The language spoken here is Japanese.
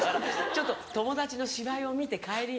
ちょっと友達の芝居を見て帰りに。